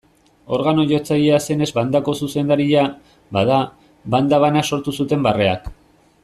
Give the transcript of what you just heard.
Organo-jotzailea zenez bandako zuzendaria, bada, banda bana sortu zuten barreak.